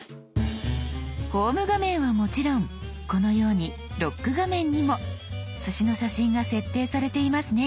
「ホーム画面」はもちろんこのように「ロック画面」にもすしの写真が設定されていますね。